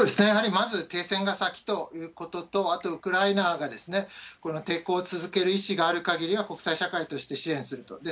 やはりまず停戦が先ということと、あとウクライナが抵抗を続ける意志がある限りは国際社会として支援すると。